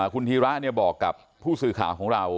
คุณธีระบอกกับผู้สื่อข่าวของเรา